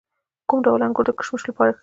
کوم ډول انګور د کشمشو لپاره ښه دي؟